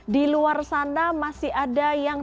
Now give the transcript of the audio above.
di luar sana masih ada yang